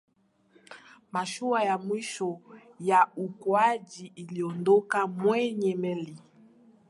mashua ya mwisho ya uokoaji iliondoka kwenye meli